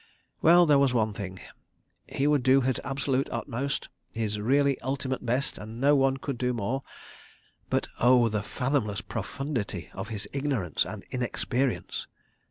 ... Well—there was one thing, he would do his absolute utmost, his really ultimate best; and no one could do more. But, oh, the fathomless profundity of his ignorance and inexperience!